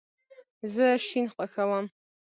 زه شین خوښوم